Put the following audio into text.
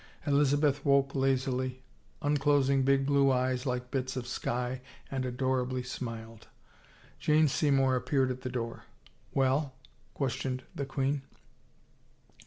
Elizabeth woke lazily, un closing big blue eyes like bits of sky and adorably smiled. Jane Seymour appeared at the door. " Well ?" questioned the queen.